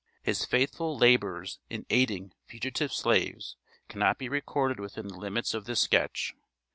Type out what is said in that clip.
His faithful labors in aiding fugitive slaves cannot be recorded within the limits of this sketch.